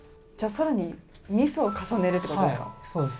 更に２層重ねるってことですか。